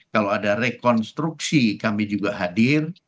kalau ada rekonstruksi kami juga hadir